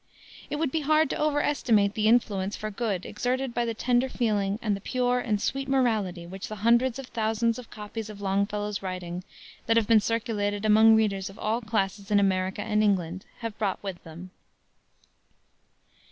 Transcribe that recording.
It would be hard to over estimate the influence for good exerted by the tender feeling and the pure and sweet morality which the hundreds of thousands of copies of Longfellow's writings, that have been circulated among readers of all classes in America and England, have brought with them.